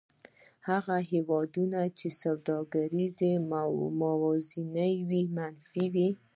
هغه هېوادونه چې سوداګریزه موازنه یې منفي وي